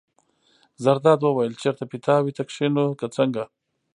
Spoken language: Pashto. زرداد وویل: چېرته پیتاوي ته کېنو که څنګه.